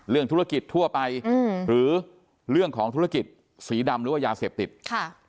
เรื่องธุรกิจทั่วไปอืมหรือเรื่องของธุรกิจสีดำหรือว่ายาเสพติดค่ะ